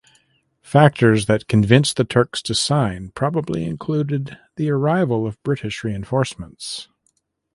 Factors that convinced the Turks to sign probably included the arrival of British reinforcements.